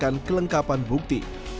dan menggunakan kelengkapan bukti